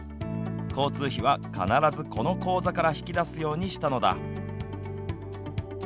交通費は必ずこの口座から引き出すようにしたのだ。